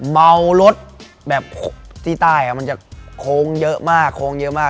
เมารถแบบที่ใต้มันจะโค้งเยอะมากโค้งเยอะมาก